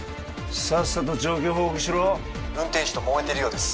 さっさと状況報告しろ運転手ともめてるようです